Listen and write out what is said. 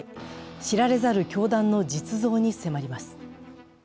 知られざる教団の実像に迫ります。